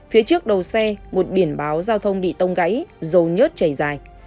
phía trước đầu xe một biển báo giao thông bị tông gãy dầu nhớt chảy dài